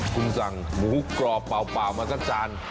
คุณสั่งหมูกรอบเปล่ามาสักจาน